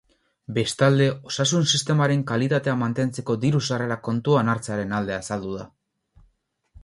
Bestalde, osasun sistemaren kalitatea mantentzeko diru-sarrerak kontuan hartzearen alde azaldu da.